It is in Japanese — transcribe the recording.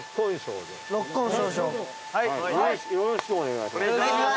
よろしくお願いします。